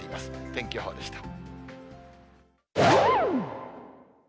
天気予報でした。